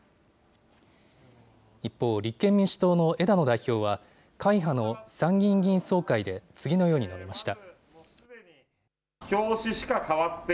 一方、立憲民主党の枝野代表は、会派の参議院議員総会で、次のように述べました。